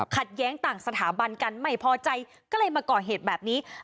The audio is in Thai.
แย้งต่างสถาบันกันไม่พอใจก็เลยมาก่อเหตุแบบนี้